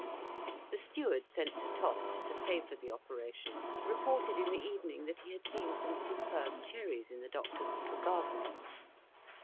The steward sent to Tostes to pay for the operation reported in the evening that he had seen some superb cherries in the doctor's little garden.